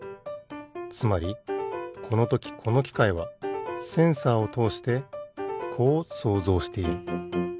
つまりこのときこのきかいはセンサーをとおしてこう想像している。